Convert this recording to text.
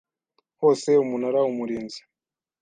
hose Umunara Umurinzi